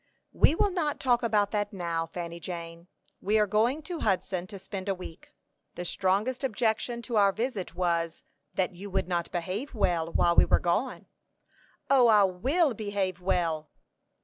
"We will not talk about that now, Fanny Jane. We are going to Hudson to spend a week. The strongest objection to our visit was, that you would not behave well while we were gone." "O, I will behave well!"